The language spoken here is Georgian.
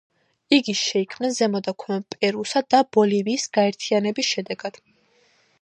იგი შეიქმნა ზემო და ქვემო პერუსა და ბოლივიის გაერთიანების შედეგად.